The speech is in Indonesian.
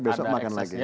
besok makan lagi